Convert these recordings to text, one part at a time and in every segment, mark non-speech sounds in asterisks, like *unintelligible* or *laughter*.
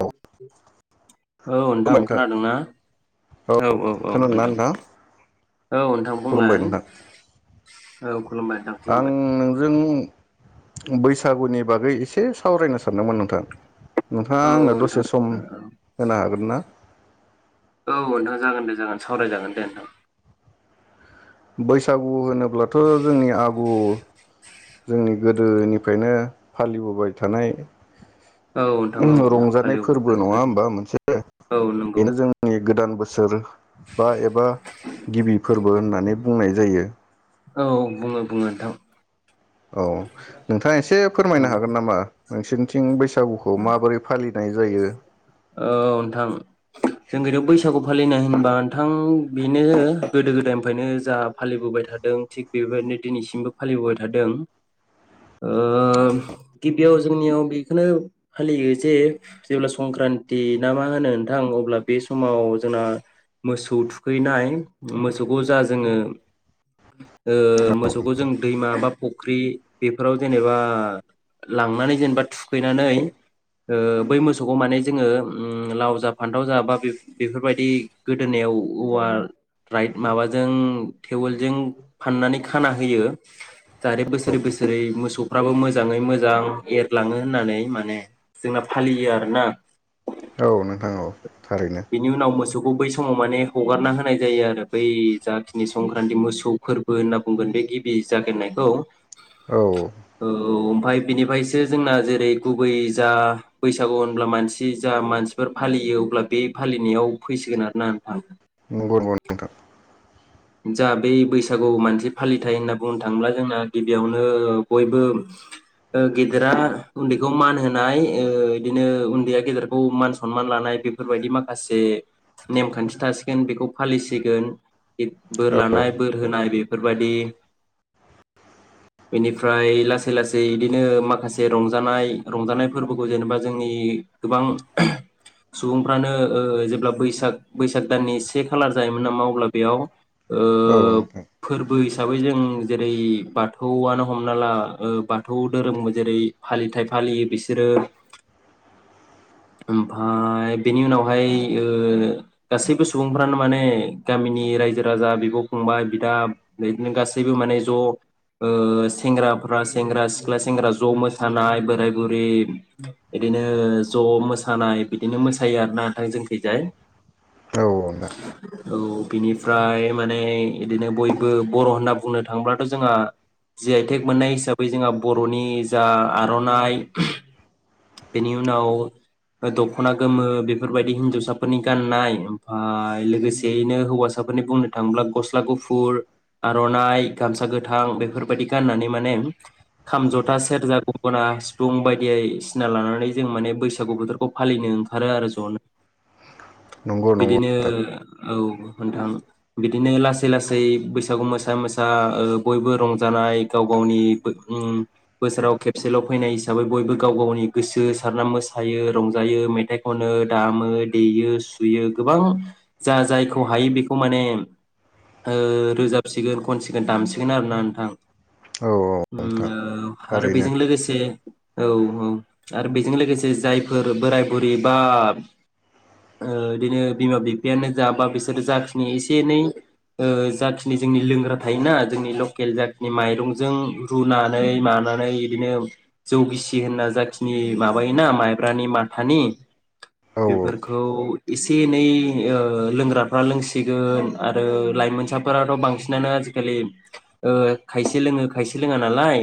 औ औ नोंथां खोनादोंना औ औ औ नोंथां औ नोंथां खुलुमबाय बुंलाय नोंथां औ खुलुमबाय नोंथां आं खुलुमबाय नोंजों बैसागुनि बागै एसे एसे सावरायनो सानदोंमोन नोंथां नोंथाङा आंनो औ दसे सम नोंथां औ होनो हागोन ना औ नोंथां जागोन दे जागोन सावरायजागोन दे नोंथां बैसागु होनोब्लाथ' जोंनि आगु जोंनि गोदोनिफ्रायनो फालिबोबाय थानाय नोंथां औ नोंथां औ रंजानाय हालेवबाय फोरबो थानाय नङा गोदो होमबा मोनसे औ नंगौ बेनो जोंनि गोदान बोसोर बा एबा गिबि फोरबो होननानै बुंनाय जायो औ बुङो बुङो नोंथां औ नोंथाङा एसे फोरमायनो औ हागोन नामा नोंसिनि थिं बैसागु बैसागुखौ माबोरै फालिनाय जायो जों गोदोयाव बैसागु फालिनाय होनबा नोंथां बेनो गोदो गोदायनिफ्रायनो जा फालिबोबाय थादों थिग बेबायदिनो दिनैसिमबो फालिबोबाय थादों गिबियाव जोंनियाव बेखौनो फालियो जे जेब्ला संक्रान्ति ना मा होनो नोंथां अब्ला बे समाव जोंना मोसौ थुखैनाय मोसौखौ जा जोङो ओ मोसौखौ जों दैमा बा फुख्रि बेफोराव जेनेबा लांनानै जेनेबा थुखैनानै ओ बै मोसौखौ माने जोङो लाव जा फानथाव जा बा बेफोरबायदि गोदोनायाव औवा राइट माबाजों थेवेलजों फाननानै खाना होयो जाहाथे औ बोसोरै बोसोरै मोसौफ्राबो मोजाङै मोजां एरलाङो होननानै माने जोंना फालियो आरोना औ नोंथां औ थारैनो बिनि उनाव मोसौ मोसौखौ बै समाव माने हगारना होनाय जायो आरो बै जाखिनि संक्रान्ति मोसौ फोरबो होनना बुंगोन बे गिबि जागायनायखौ औ ओ ओमफाय बिनिफ्रायसो जोंना जेरै गुबै जा बैसागु होनब्ला मानसि जा मानसिफोर फालियो अब्ला बे फालिनायाव फैसिगोन आरो ना नोंथां नंगौ नंगौ नोंथां जा बै बैसागु मानसि फालिथाय होनना बुंनो थाङोब्ला जोंना गिबियावनो बयबो ओ गेदेरा उनदैखौ मान होनाय बिदिनो उनदैया गेदेरखौ मान सनमान लानाय बेफोरबायदि माखासे नेमखानथि थासिगोन बेखौ फालिसिगोन बोर औ लानाय बोर होनाय बेफोरबायदि बेनिफ्राय लासै लासै बिदिनो माखासे रंजानाय रंजानाय फोरबोखौ जेनेबा जोंनि गोबां सुबुंफ्रानो जेब्ला बैसाग बैसाग दाननि से खालार जायोमोन नामा अब्ला बेयाव ओ औ औ नोंथां फोरबो हिसाबै जों जेरै बाथौआनो हमना ला ओ बाथौ दोहोरोम जेरै फालिथायाइ फालियो बिसोरो ओमफाय बेनि उनावहाय ओ गासैबो सुबुंफ्रानो माने गामिनि रायजो राजा बिब' फंबाय बिदा बिदिनो गासैबो माने ज' ओ सेंग्राफ्रा सेंग्रा सिख्ला सेंग्रा ज' मोसानाय बोराय बुरि बिदिनो ज' मोसानाय बिदिनो मोसायो आर नोंथां जों खैजाय औ नोंथां औ बिनि ओमफ्राय माने इदिनो बयबो बर' होनना बुंनो थाङोब्लाथ' जोंहा जि आइ टेक मोननाय हिसाबै जोंहा बर'नि जा आर'नाइ बेनि उनाव दख'ना गोमो बेफोरबायदि हिनजावसाफोरनि गाननाय ओमफाय लोगोसेयैनो हौवासाफोरनि बुंनो थाङोब्ला गस्ला गुफुर आर'नाइ गामसा गोथां बेफोरबायदि गाननानै माने खाम ज'था सेरजा गंगना सिफुं बायदियै बायदिसिना लानानै जों माने बैसागु बोथोरखौ फालिनो ओंखारो आरो ज'नो नंगौ नंगौ बिदिनो नोंथां औ नोंथां बिदिनो लासै लासै बैसागु मोसा मोसा बयबो रंजानाय गाव गावनि बोसोराव खेबसेल' फैनाय हिसाबै बयबो गाव गावनि गोसो सारना मोसायो रंजायो मेथाइ खनो दामो देयो सुयो गोबां जा जायखौ हायो बेखौ माने रोजाबसिगोन खनसिगोन दामसिगोन आरोना नोंथां औ नोंथां ओम आरो थारैनो बेजों लोगोसे औ औ आरो बेजों लोगोसे जायफोर बोराय बुरि बा बिदिनो बिमा बिफायानो जाबा बिसोरो जाखिनि एसे एनै जाखिनि जोंनि लोंग्रा थायोना जोंनि लकेल जाखिनि माइरंजों रुनानै मानानै बिदिनो जौगिसि होनना जाखि नि माबायोना माइब्रानि माथानि औ औ बेफोरखौ एसे एनै लोंग्राफ्रा लोंसिगोन आरो लाइमोनसाफोराथ' बांसिनानो आजिखालि खायसे लोङो खायसे लोङा नालाय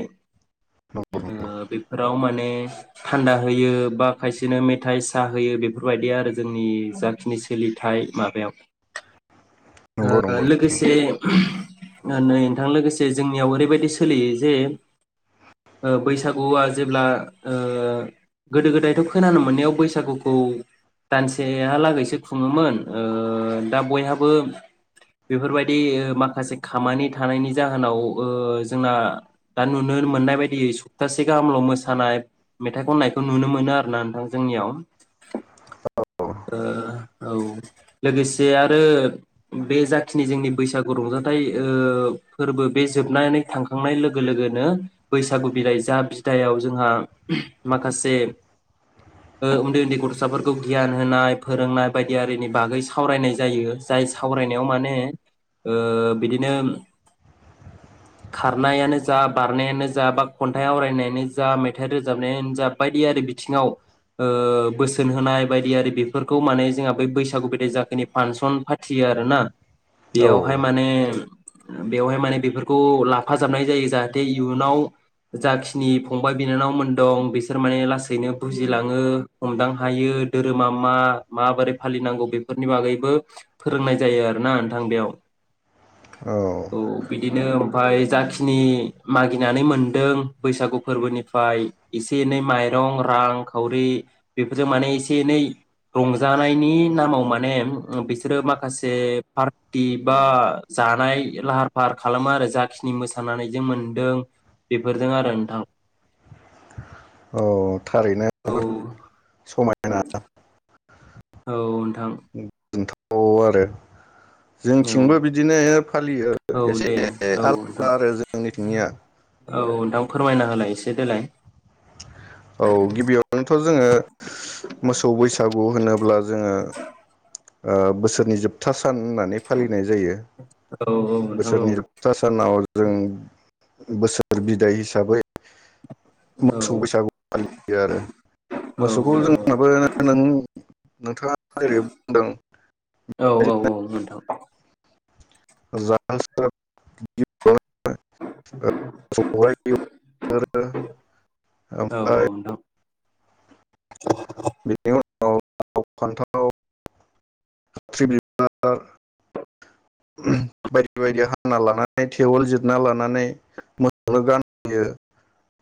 बेफोराव माने थान्दा होयो बा खायसेनो मेथाइ साहा होयो बेफोरबायदि आरो जोंनि जाखिनि सोलिथाय माबायाव नंगौ नंगौ लोगोसे नै नोंथां लोगोसे जोंनियाव ओरैबायदि सोलियो जे बैसागुआ जेब्ला ओ ओ गोदो गोदायथ' खोनानो मोननायाव बैसागुखौ दानसेहालागैसो खुङोमोन ओ दा बयहाबो बेफोरबायदि माखासे खामानि थानायनि जाहोनाव ओ जोंना दा नुनो मोननाय बादियै सप्तासे गाहामल' मोसानाय मेथाइ खननायखौ नुनो मोनो आरो ना नोंथां जोंनियाव औ ओ औ लोगोसे आरो बे जाखिनि जोंनि बैसागु रंजाथाइ फोरबो बे जोबनानै थांखांनाय लोगो लोगोनो बैसागु बिदाय जा बिदायाव जोंहा माखासे उन्दै उन्दै गथ'साफोरखौ गियान होनाय फोरोंनाय बायदिनि बागै सावरायनाय जायो जाय सावरायनायाव माने ओ बिदिनो खारनायानो जा बारनायानो जा बा खन्थाइ आवरायनायानो जा मेथाइ रोजाब जाबायानो जा बायदि‌ आरि बिथिङाव ओ बोसोन होनाय बायदि आरो बेफोरखौ माने जोंहा बै बैसागु बिदाइ जाखिनि फांसन फाथियो आरोना औ बेयावहाय माने बेवहाय माने बेफोरखौ लाफाजाबनाय जायो जाहाथे इयुनाव जाखिनि फंबाय बिनानाव मोन दं बिसोर माने लासैनो बुजिलाङो हमदां हायो धोरोमा मा माबोरै फालिनांगौ बेफोरनि बागैबो फोरोंनाय जायो आरोना नोंथां बेयाव औ ओ बिदिनो ओमफ्राय जाखिनि मागिनानै मोनदों बैसागु फोरबोनिफ्राय एसे एनै माइरं रां खावरि बेफोरजों माने एसे एनै रंजानायनि नामाव माने बिसोरो माखासे पार्टि बा जानाय लाहार फाहार खालामो आरो जाखिनि मोसानानैजों मोनदों बेफोरजों आरो नोंथां औ थारैनो औ जोबोर समायना *inaudible* औ नोंथां औ आरो औ जोंथिंबो बिदिनो फालियो औ एसे दे औ नोंथां आलादा आरो जोंनिथिंनिया औ नोंथां फोरमायना होलाय एसे देलाय औ गिबियावनोथ' जोङो मोसौ बैसागु होनोब्ला जोङो ओ बोसोरनि जोबथा सान होननानै फालिनाय जायो औ औ नोंथां औ बोसोरनि जोबथा सानाव जों बोसोर बिदाइ हिसाबै मोसौ बैसागु फालियो आरो औ मोसौखौ जोंनाबो नों *inaudible* जेरै बुंदों औ औ औ नोंथां *unintelligible* *inaudible* औ औ ओमफ्राय नोंथां *inaudible* बेनि उनाव लाव फान्थाव खाथ्रि बिबार बायदि बायदि हाना लानानै थेवल जिरना लानानै मोसौनो गानहोयो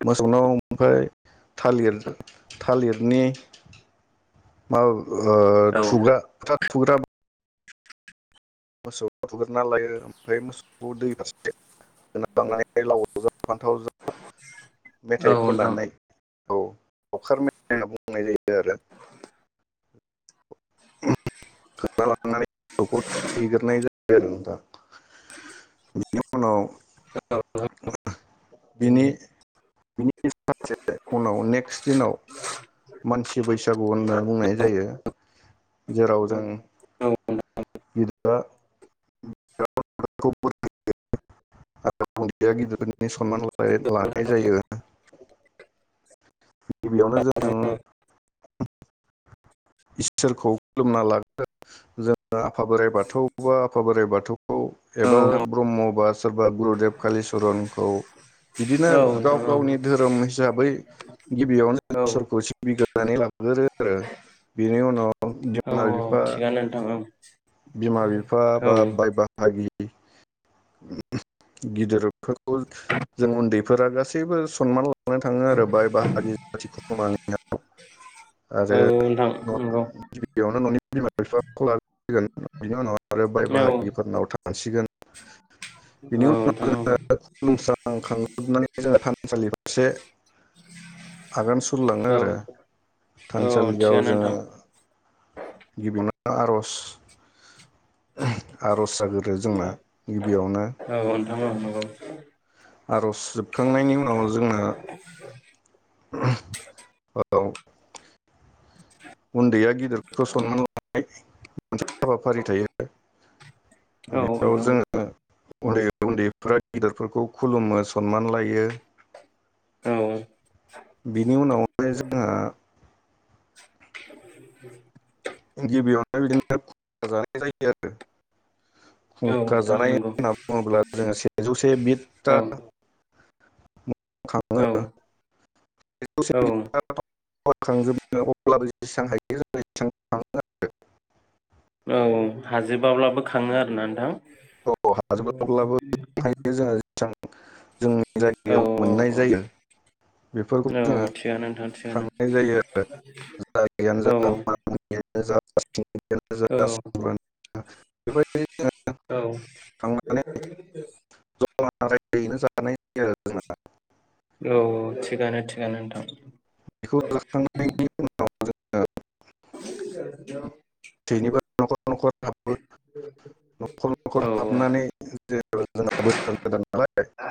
मोसौनाव ओमफ्राय थालिर थालिरनि *inaudible* *unintelligible* ओ औ थुग्रा *unintelligible* मोसौ थुग्रोना लायो ओमफ्राय मोसौखौ दै फारसे लांनानै लावजों फान्थावजों औ मेथाइ नोंथां खननानै औ अखार मेथाइ होनना बुंनाय जायो आरो। *unintelligible* *unintelligible* बिनि उनाव बिनि बि सो माखासे उनाव नेकस्ट दिनाव मानसि बैसाग गु होनना बुंनाय जायो। जेराव जों औ गिदिरा खौ आरोबाव उन्दैया गिदिरनि सनमान ला लानाय जायो। गिबियावनो जों इसोरखौ खुलुमना लागोन जों आफा बोराइ बाथौ बा आफा बोराइ बाथौ औ औ एबा ब्रह्म बा सोरबा गुरुदेब कालिचरनखौ बिदिनो गाव नोंथां औ गावनि धोरोम हिसाबै गिबियावनो जों औ इसोरखौ सिबिगोन नानै *unintelligible* आरो बेनि उनाव औ औ थिगानो नोंथां औ। बिमा-बिफा बा बाय बाहागि *unintelligible* गिदिरफोरखौ जों उन्दैफोरा गासैबो सनमान लानो थांङो आरो बाय बाहारि जाथि खुरानाव औ आरो नोंथां नंगौ गिबियावनो न'नि बिमा बिफाखौ ला बिनि उनाव आरो बाय औ बाहागिफोरनाव थां थांसिगोन बेनि उनाव नोंथां जोंङो खुलुमस्राखांनानै जोङो थानसालि फारसे आगान सुरलाङो औ आरो औ थानसालियाव थिगानो जोंङो नोंथां गिबियावनो आ आर'ज आर'ज जाग्रोयो जोंना गिबियावनो नंगौ नंगौ आर'ज जोबखांनायनि उनाव जोंना *unintelligible* औ उन्दैया गिदिरखौ सनमान लानाय मोनसे हाबाफारि थायो। औ बेयाव ओनथां। जोङो उन्दै उन्दैफोरा गेदिरफोरखौ खुलुमो सनमान लायो बिनि उनावहाय जोंहा *inaudible* गिबियावनो बिदिनो खुंखा जानाय जायो आरो। खुंखा जानाय होनना बुङोब्ला जोङो सेजौसे औ बिथथा औ सेजौसे औ बिदथा *unintelligible* *unintelligible* औ औ हाजोबबाब्लाबो खाङो आरो ना नोंथां। औ हाजोब्लाब्लाबो *unintelligible* जों औ जायगायाव औ मोननाय जायो औ बेफोरखौ औ जोङो थिगानो नोंथां थिगानो खांनाय जायो आरो औ औ *unintelligible* *unintelligible* *unintelligible* औ खांनानै *unintelligible* औ थिगानो थिगानो बेखौ नोंथां। जाखांनायनि *unintelligible* *unintelligible* *unintelligible* नखर नखर हाबबो न'खर न'खर औ औ हाबनानै *unintelligible* *unintelligible*